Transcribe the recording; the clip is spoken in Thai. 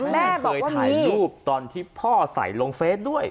แม่เคยถ่ายรูปตอนที่พ่อใส่ลงเฟสด้วย